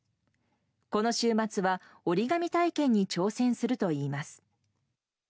この週末は折り紙体験に挑戦するといいます。